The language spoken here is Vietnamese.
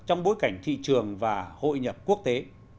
trong bối cảnh thị trường và hội nhập quốc tế